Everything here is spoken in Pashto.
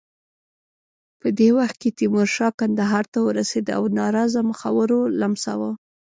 په دې وخت کې تیمورشاه کندهار ته ورسېد او ناراضه مخورو لمساوه.